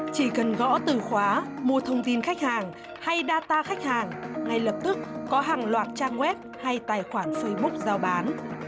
chỉ cần gõ từ khóa mua thông tin khách hàng hay data khách hàng ngay lập tức có hàng loạt trang web hay tài khoản facebook giao bán